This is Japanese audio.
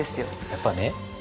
やっぱね